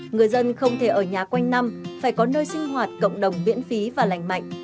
người dân không thể ở nhà quanh năm phải có nơi sinh hoạt cộng đồng miễn phí và lành mạnh